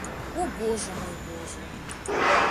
О, божа мой, божа!